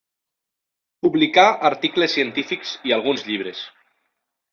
Publicà articles científics i alguns llibres.